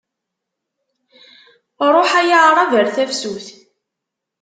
Ṛuḥ ay aɛṛab ar tafsut.